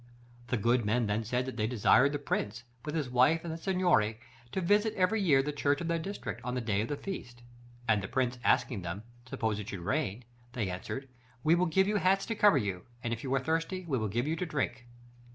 "The good men then said that they desired the Prince, with his wife and the Signory, to visit every year the church of their district, on the day of its feast. And the Prince asking them, 'Suppose it should rain?' they answered, 'We will give you hats to cover you; and if you are thirsty, we will give you to drink.'